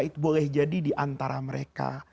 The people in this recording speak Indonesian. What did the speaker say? itu boleh jadi diantara mereka